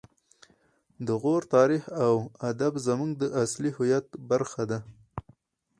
د غور تاریخ او ادب زموږ د اصلي هویت برخه ده